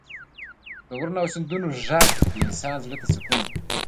د غرونو او سیندونو غږ د انسان زړه ته سکون ورکوي.